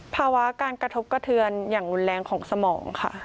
ภาวะการกระทบกระเทือนอย่างรุนแรงของสมองค่ะ